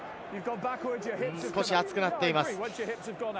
少し熱くなっています。